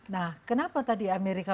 nah kenapa tadi amerika